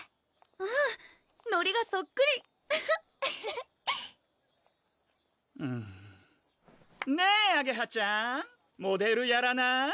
うんノリがそっくりフフフフうんねぇあげはちゃんモデルやらない？